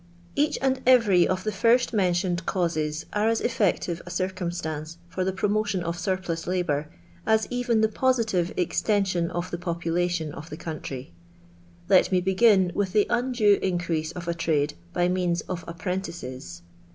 Kach and every of the first mentioned causes are as effective a circumstance fur the promotion of surplus labour, as even the positive extension of the population of the country. Let me begin with the undue increase of a trade by means of apprentices.